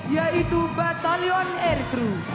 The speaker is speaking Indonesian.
yaitu batalion aircrew